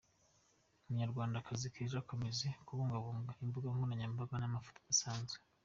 Umunyarwandakazi Keza akomeje guhungabanya imbuga nkoranyambaga n’amafoto adasanzwe.